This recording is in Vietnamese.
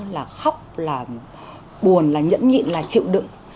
là khóc là buồn là nhẫn nhịn là chịu đựng